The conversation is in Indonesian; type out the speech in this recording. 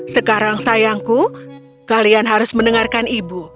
sekarang sayangku kalian harus mendengarkan ibu